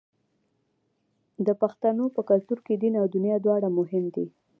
د پښتنو په کلتور کې دین او دنیا دواړه مهم دي.